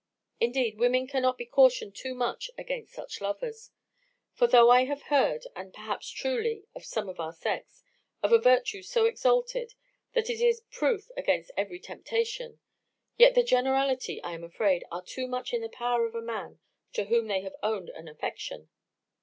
Indeed, women cannot be cautioned too much against such lovers; for though I have heard, and perhaps truly, of some of our sex, of a virtue so exalted, that it is proof against every temptation; yet the generality, I am afraid, are too much in the power of a man to whom they have owned an affection.